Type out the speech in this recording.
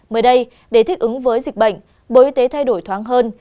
mới đây để thích ứng với dịch bệnh bộ y tế thay đổi thoáng hơn